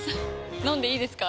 飲んでいいですか？